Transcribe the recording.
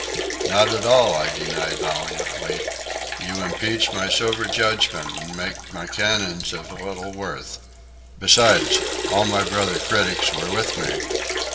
"Not at all," I denied valiantly. "You impeach my sober judgment and make my canons of little worth. Besides, all my brother critics were with me.